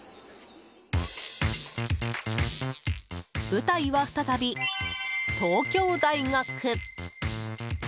舞台は再び東京大学。